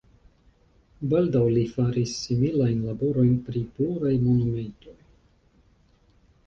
Baldaŭ li faris similajn laborojn pri pluraj monumentoj.